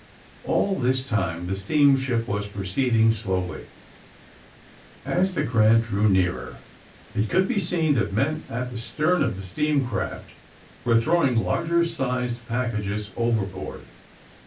All this lime the steamship was proceeding slowly. As the *^ Grant" drew nearer it could be seen that men at the stern of the steam craft were throwing large sized packages overboard.